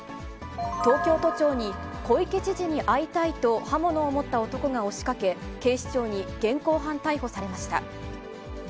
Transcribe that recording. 東京都庁に小池知事に会いたいと刃物を持った男が押しかけ、警視庁に現行犯逮捕されました。